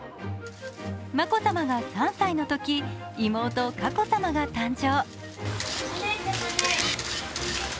眞子さまが３歳のとき妹・佳子さまが誕生。